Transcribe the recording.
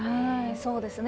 そうですね。